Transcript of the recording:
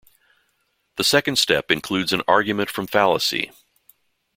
The second step includes an argument from fallacy.